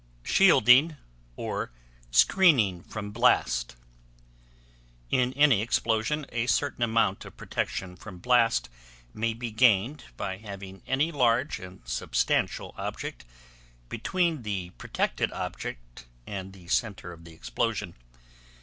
SHIELDING, OR SCREENING FROM BLAST In any explosion, a certain amount of protection from blast may be gained by having any large and substantial object between the protected object and the center of the explosion.